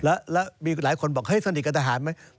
แล้วมีหลายคนบอกเฮ้ยสนิทกับทหารไหม